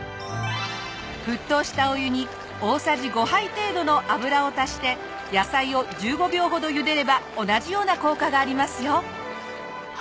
沸騰したお湯に大さじ５杯程度の油を足して野菜を１５秒ほど茹でれば同じような効果がありますよ。